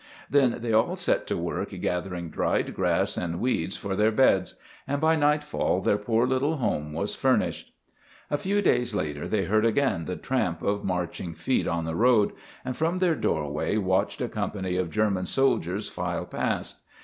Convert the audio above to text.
Then they all set to work gathering dried grass and weeds for their beds, and by nightfall their poor little home was furnished. A few days later they heard again the tramp of marching feet on the road, and from their doorway watched a company of German soldiers file past.